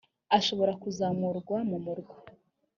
ashobora kuzamurwa mu murwa